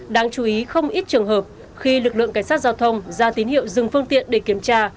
đáng chú ý không ít trường hợp khi lực lượng cảnh sát giao thông ra tín hiệu dừng phương tiện để kiểm tra